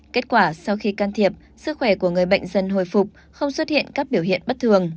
kết quả sau khi can thiệp sức khỏe của người bệnh dần hồi phục không xuất hiện các biểu hiện bất thường